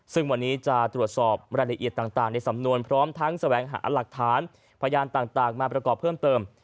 ซึ่งวันนี้จะตรวจสอบรายละเอียดต่างในสำนวนพร้อมทั้งแสวงหาหลักฐานพยานต่างมาประกอบเพิ่มเติม